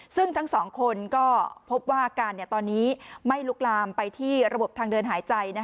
ซึ่งทั้งสองคนก็พบว่าอาการตอนนี้ไม่ลุกลามไปที่ระบบทางเดินหายใจ